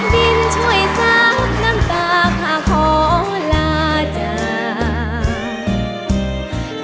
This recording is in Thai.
ดินช่วยซากน้ำตาขาขอลาจารย์